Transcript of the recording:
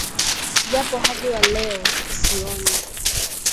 Japo hadi wa leo, sioni